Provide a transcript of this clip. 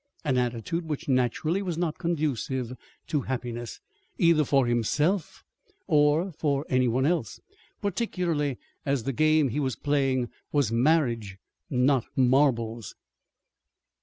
an attitude which, naturally, was not conducive to happiness, either for himself or for any one else particularly as the game he was playing was marriage, not marbles.